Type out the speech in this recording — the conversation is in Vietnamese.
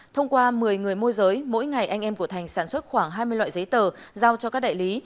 thông qua một mươi người môi giới mỗi ngày anh em của thành sản xuất khoảng hai mươi loại giấy tờ giao cho các đại lý